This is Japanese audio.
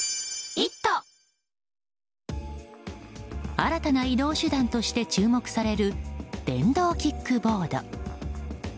新たな移動手段として注目される電動キックボード。